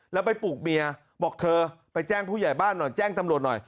แล้วไปปลูกเมียบอกเธอไปแจ้งผู้ใหญ่บ้านหน่อยแจ้งตำรวจหน่อย